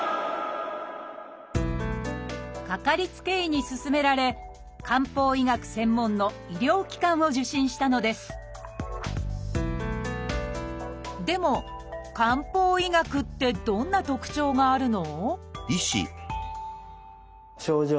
かかりつけ医に勧められ漢方医学専門の医療機関を受診したのですでも漢方医学ってどんな特徴があるの？